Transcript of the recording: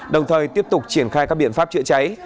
đồng thời tiếp tục triển khai các biện pháp chữa cháy